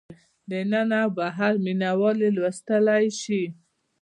دننه او بهر مینه وال یې لوستلی شي.